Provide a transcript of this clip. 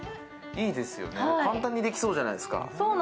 いいですよね、簡単にできそうじゃないですか。